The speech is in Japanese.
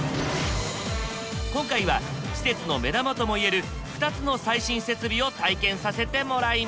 今回は施設の目玉ともいえる２つの最新設備を体験させてもらいます。